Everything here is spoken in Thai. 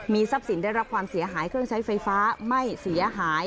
ทรัพย์สินได้รับความเสียหายเครื่องใช้ไฟฟ้าไม่เสียหาย